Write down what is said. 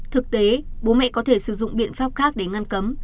thực tế bố mẹ có thể sử dụng biện pháp khác để ngăn cấm